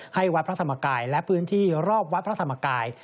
วัดพระธรรมกายและพื้นที่รอบวัดพระธรรมกาย